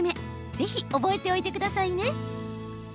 ぜひ覚えておいてくださいね。